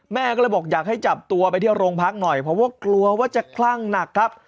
แม่ก็เลยบอกอยากให้จับตัวไปที่โรงพักหน่อยเพราะว่ากลัวว่าจะคลั่งหนักครับ